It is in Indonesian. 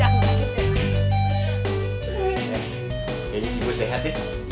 ini sih richti sehat ya